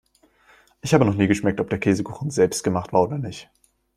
Ich habe noch nie geschmeckt, ob der Käsekuchen selbstgemacht war oder nicht.